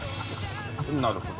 なるほど。